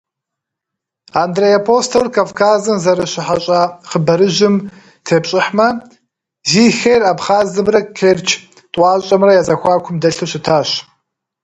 Андрей Апостолыр Кавказым зэрыщыхьэщӏа хъыбарыжьым тепщӏыхьмэ, Зихиер абхъазымрэ Керчь тӏуащӏэмрэ я зэхуакум дэлъу щытащ.